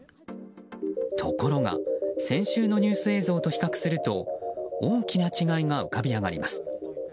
ところが先週のニュース映像と比較すると大きな違いが浮かび上がります。